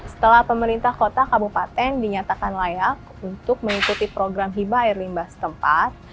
setelah pemerintah kota kabupaten dinyatakan layak untuk mengikuti program hiba air limbah setempat